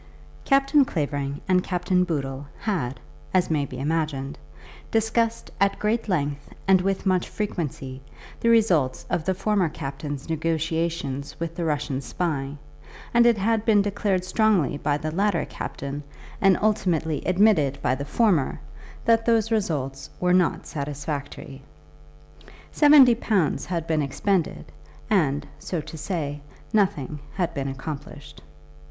Captain Clavering and Captain Boodle had, as may be imagined, discussed at great length and with much frequency the results of the former captain's negotiations with the Russian spy, and it had been declared strongly by the latter captain, and ultimately admitted by the former, that those results were not satisfactory. Seventy pounds had been expended, and, so to say, nothing had been accomplished.